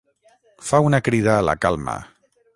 Fa una crida a la calma.